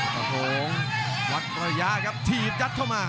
กระโหลวัดระยะครับถีบยัดเข้ามา